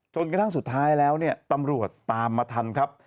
จนกระทั่งสุดท้ายแล้วเนี่ยตำรวจตามมาทันครับ